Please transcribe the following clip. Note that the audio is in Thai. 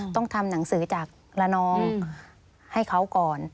ต้องทำหนังสือจากระนองให้เขาก่อน